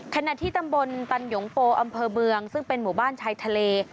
ขณะที่ตำบลตันหยงโปอำเภอเมืองซึ่งเป็นหมู่บ้านชายทะเล